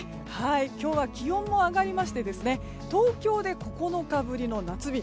今日は気温も上がりまして東京で９日ぶりの夏日。